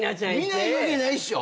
見ないわけないっしょ。